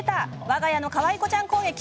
わが家のかわいこちゃん攻撃。